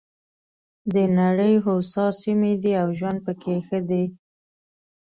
د نړۍ هوسا سیمې دي او ژوند پکې ښه دی.